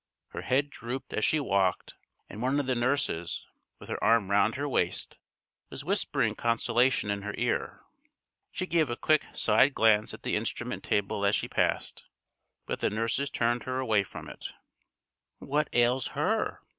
Her head drooped as she walked, and one of the nurses, with her arm round her waist, was whispering consolation in her ear. She gave a quick side glance at the instrument table as she passed, but the nurses turned her away from it. "What ails her?"